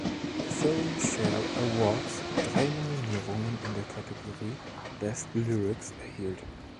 Filmfare Awards drei Nominierungen in der Kategorie „Best Lyrics“ erhielt.